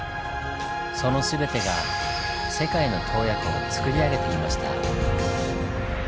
その全てが「世界の洞爺湖」をつくり上げていました。